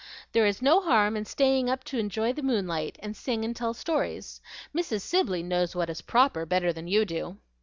There is no harm in staying up to enjoy the moonlight, and sing and tell stories. Mrs. Sibley knows what is proper better than you do."